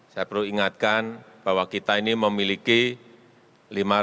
saya perlu ingatkan bahwa kita ini memiliki lima ratus empat belas kabupaten dan kota